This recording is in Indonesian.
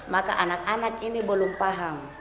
maka anak anak ini belum paham